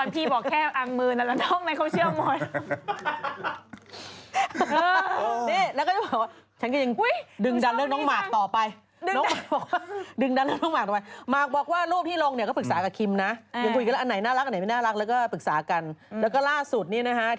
ผมไม่เชื่อตอนพี่บอกแค่อังมือนั่นแล้วนอกในเขาเชื่อหมด